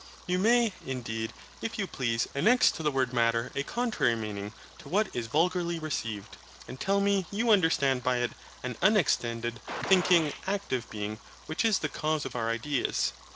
You may, indeed, if you please, annex to the word MATTER a contrary meaning to what is vulgarly received; and tell me you understand by it, an unextended, thinking, active being, which is the cause of our ideas.